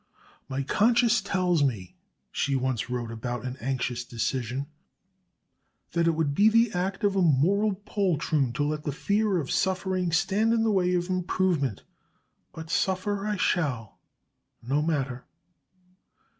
"My conscience tells me," she once wrote about an anxious decision, "that it would be the act of a moral poltroon to let the fear of suffering stand in the way of improvement. But suffer I shall. No matter!"